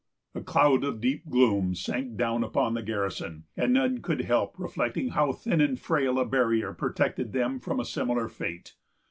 A cloud of deep gloom sank down upon the garrison, and none could help reflecting how thin and frail a barrier protected them from a similar fate.